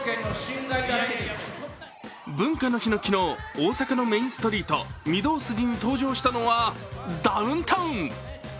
文化の日の昨日大阪のメインストリート御堂筋に登場したのはダウンタウン。